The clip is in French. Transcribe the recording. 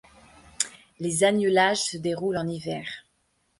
Les agnelages se déroulent en hiver.